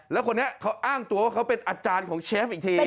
แล้วคนนี้เขาอ้างตัวว่าเขาเป็นอาจารย์ของเชฟอีกที